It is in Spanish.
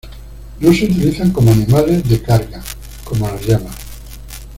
No se utilizan como animales de carga, como las llamas.